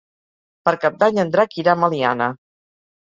Per Cap d'Any en Drac irà a Meliana.